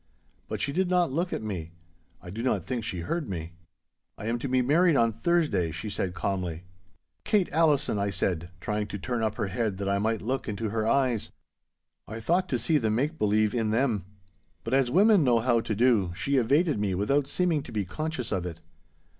But she did not look at me. I do not think she heard me. 'I am to be married on Thursday!' she said calmly. 'Kate Allison!' I said, trying to turn up her head that I might look into her eyes. I thought to see the make believe in them. But as women know how to do, she evaded me without seeming to be conscious of it.